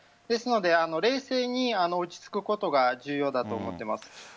ですので冷静に落ち着くことが重要だと思っています。